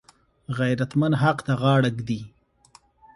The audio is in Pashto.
غیرتمند حق ته غاړه ږدي